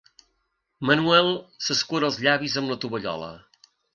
Manuel s’escura els llavis amb la tovallola.